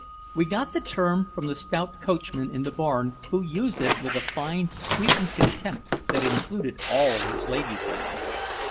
We got the term from the stout coachman in the barn who used it with a fine sweeping contempt that included all his lady friends.